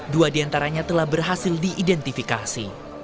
dua diantaranya telah berhasil diidentifikasi